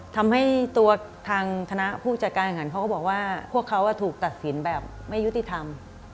ทำให้ตัวทางคณะผู้จัดการแข่งขันเขาก็บอกว่าพวกเขาถูกตัดสินแบบไม่ยุติธรรม